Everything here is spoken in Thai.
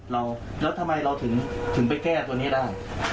แล้วทำไมเราถึงไปแก้ตัวนี้ได้